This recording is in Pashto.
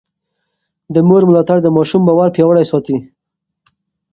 د مور ملاتړ د ماشوم باور پياوړی ساتي.